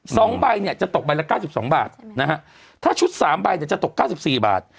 สองใบเนี่ยจะตกใบละเก้าสิบสองบาทอืมนะฮะถ้าชุดสามใบเนี่ยจะตกเก้าสิบสี่บาท